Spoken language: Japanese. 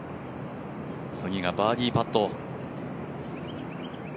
次がバーディーパット。